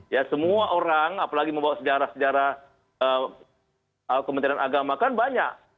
ya semua orang apalagi membawa sejarah sejarah kementerian agama kan banyak